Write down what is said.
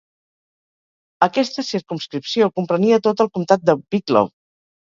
Aquesta circumscripció comprenia tot el comtat de Wicklow.